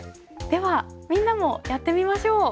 ではみんなもやってみましょう。